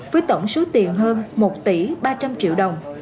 với tổng số tiền hơn một tỷ ba trăm linh triệu đồng